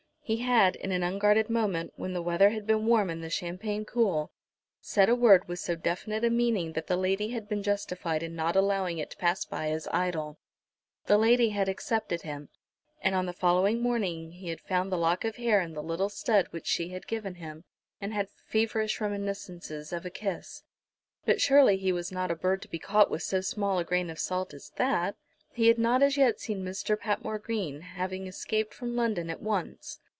He had, in an unguarded moment, when the weather had been warm and the champagne cool, said a word with so definite a meaning that the lady had been justified in not allowing it to pass by as idle. The lady had accepted him, and on the following morning he had found the lock of hair and the little stud which she had given him, and had feverish reminiscences of a kiss. But surely he was not a bird to be caught with so small a grain of salt as that! He had not as yet seen Mr. Patmore Green, having escaped from London at once.